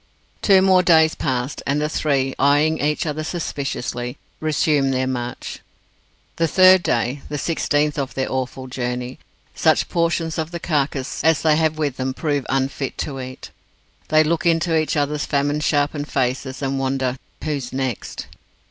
Two more days pass, and the three, eyeing each other suspiciously, resume their march. The third day the sixteenth of their awful journey such portions of the carcase as they have with them prove unfit to eat. They look into each other's famine sharpened faces, and wonder "who's next?"